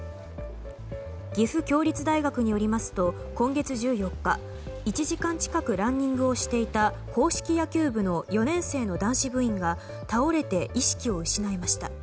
岐阜協立大学によりますと今月１４日１時間近くランニングをしていた硬式野球部の４年生の男子部員が倒れて意識を失いました。